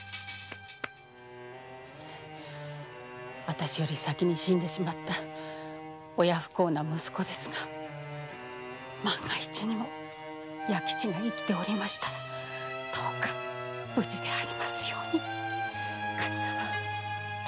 あたしより先に死んでしまった親不孝な息子ですが万が一にも弥吉が生きておりましたらどうか無事でありますように神様どうか。